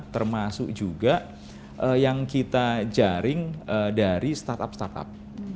termasuk juga yang kita jaring dari startup startup